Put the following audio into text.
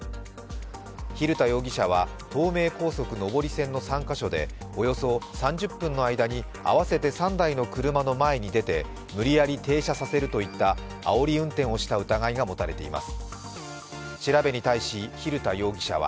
蛭田容疑者は、東名高速上り線の３か所でおよそ３０分の間に合わせて３台の車の前に出て無理やり停車させるといったあおり運転をした疑いが持たれています。